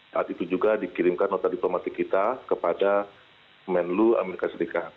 saat itu juga dikirimkan nota diplomatik kita kepada menlu amerika serikat